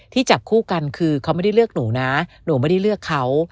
จับคู่กันคือเขาไม่ได้เลือกหนูนะหนูไม่ได้เลือกเขา